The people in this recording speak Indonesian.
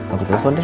aku telepon deh